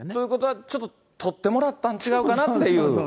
だから、ちょっと撮ってもらたんちゃうかなっていう。